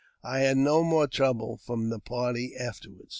I had no more trouble from the party afterward.